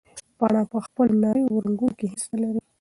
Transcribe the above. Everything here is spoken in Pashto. پاڼه په خپلو نریو رګونو کې هیڅ نه لري.